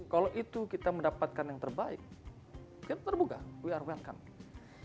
kalau itu kita mendapatkan yang terbaik kita terbuka we are welcome